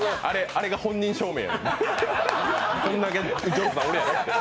あれが本人証明や。